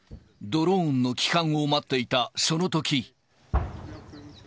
ドローンの帰還を待っていたそのとき。